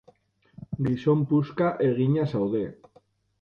Gizon puska egina zaude.